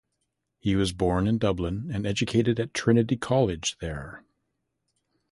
He was born in Dublin and educated at Trinity College there.